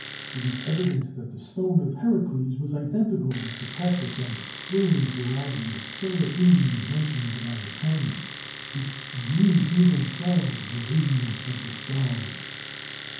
It is evident that the stone of Heracleis was identical with the precious and brilliant variety of cerauniæ mentioned by Pliny, "which drew to themselves the radiance of the stars."